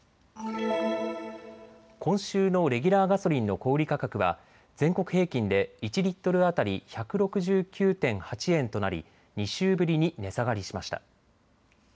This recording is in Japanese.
今週のレギュラーガソリンの小売価格は全国平均で１リットル当たり１６９．８円となり２週ぶりに値下がりしました。